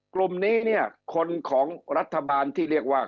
กลุ่มนี้เนี่ยคนของรัฐบาลที่เรียกว่า